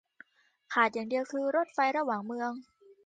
ขาดอย่างเดียวคือรถไฟระหว่างเมือง